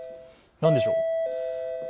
何でしょう。